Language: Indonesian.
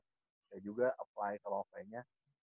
saya juga apply ke loke nya